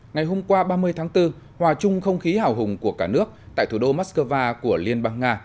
ngày hôm qua ba mươi tháng bốn hòa chung không khí hào hùng của cả nước tại thủ đô moscow của liên bang nga